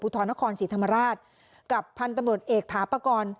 ทรนครศรีธรรมราชกับพันธุ์ตำรวจเอกถาปากร